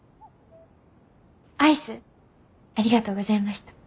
アイスありがとうございました。